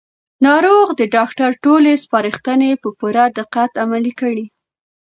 ناروغ د ډاکټر ټولې سپارښتنې په پوره دقت عملي کړې